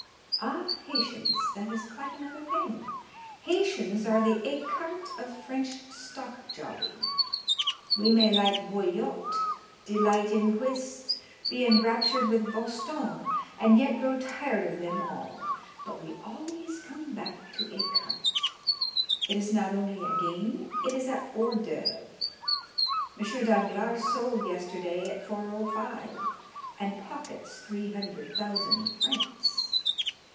"Ah, Haitians,—that is quite another thing! Haitians are the écarté of French stock jobbing. We may like bouillotte, delight in whist, be enraptured with boston, and yet grow tired of them all; but we always come back to écarté—it is not only a game, it is a hors d'œuvre! M. Danglars sold yesterday at 405, and pockets 300,000 francs.